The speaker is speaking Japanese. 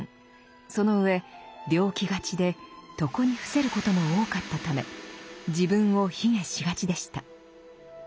その上病気がちで床に伏せることも多かったため自分を卑下しがちでした。